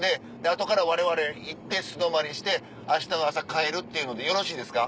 後からわれわれ行って素泊まりしてあしたの朝帰るっていうのでよろしいですか？